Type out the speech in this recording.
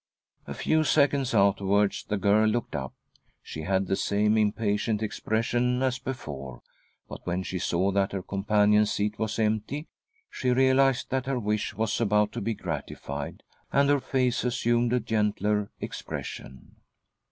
A few seconds afterwards the girl looked up. She had the same impatient expression as before, ■— but when she saw that "her companion's seat was ~j empty, she realised that her 1 wish was about to be gratified, and her face assumed a gentler expression.